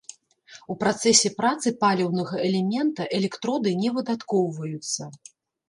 У працэсе працы паліўнага элемента, электроды не выдаткоўваюцца.